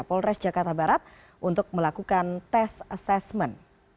polres jakarta barat untuk melakukan tes asesmen